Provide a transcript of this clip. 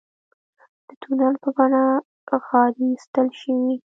د تونل په بڼه غارې ایستل شوي.